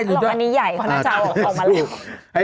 อันนี้ใหญ่คณะเจ้าออกมาแล้ว